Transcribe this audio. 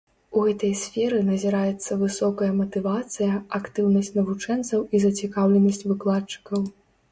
У гэтай сферы назіраецца высокая матывацыя, актыўнасць навучэнцаў і зацікаўленасць выкладчыкаў.